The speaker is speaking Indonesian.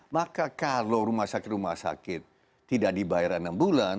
maka kalau rumah sakit rumah sakit tidak dibayar enam bulan